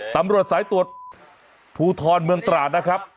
ตำรวจสายตรวจภูทรเมืองตราดนะครับ